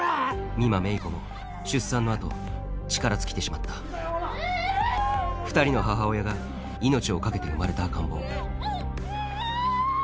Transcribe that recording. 美馬芽衣子も出産の後力尽きてしまった２人の母親が命を懸けて生まれた赤ん坊あぁ！